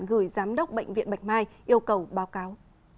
gửi giám đốc bệnh viện bạch mai yêu cầu báo cáo